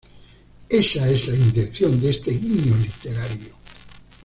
Esa es la intención de este guiño literario.